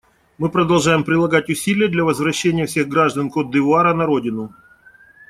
Мы продолжаем прилагать усилия для возвращения всех граждан Котд'Ивуара на родину.